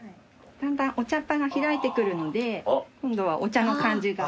だんだんお茶っ葉が開いてくるので今度はお茶の感じが。